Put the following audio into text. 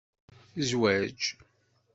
Zwaǧ